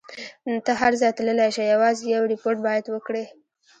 ته هر ځای تللای شې، یوازې یو ریپورټ باید وکړي.